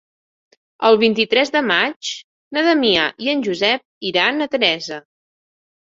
El vint-i-tres de maig na Damià i en Josep iran a Teresa.